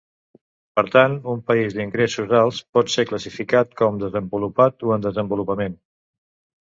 Per tant, un país d'ingressos alts pot ser classificat com desenvolupat o en desenvolupament.